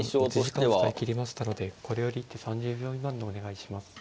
増田七段持ち時間を使い切りましたのでこれより一手３０秒未満でお願いします。